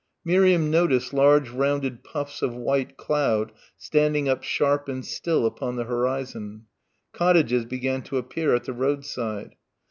Miriam noticed large rounded puffs of white cloud standing up sharp and still upon the horizon. Cottages began to appear at the roadside.